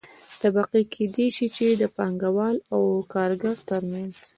طبقې کيدى شي چې د پانګه وال او کارګر ترمنځ